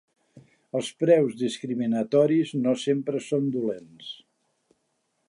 Els preus discriminatoris no sempre són dolents.